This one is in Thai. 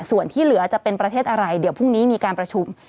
ส่วนที่เหลือจะเป็นประเทศอะไรเดี๋ยวพรุ่งนี้มีการประชุม